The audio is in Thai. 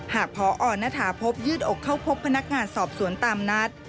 พอณฐาพบยืดอกเข้าพบพนักงานสอบสวนตามนัด